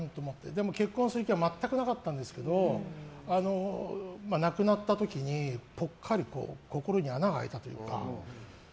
だから結婚する気は全くなかったんですけど亡くなった時にぽっかり心に穴が開いたというか。